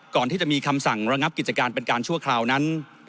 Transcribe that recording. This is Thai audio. ก่อนที่จะมีคำสั่งระงับกิจการเป็นการชั่วคราวนั้น